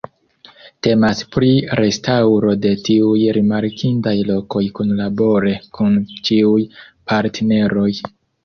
Temas pri restaŭro de tiuj rimarkindaj lokoj kunlabore kun ĉiuj partneroj.